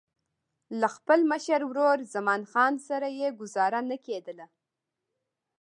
له خپل مشر ورور زمان خان سره یې ګوزاره نه کېدله.